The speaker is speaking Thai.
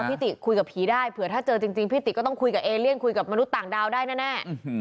ติคุยกับผีได้เผื่อถ้าเจอจริงพี่ติก็ต้องคุยกับเอเลียนคุยกับมนุษย์ต่างดาวได้แน่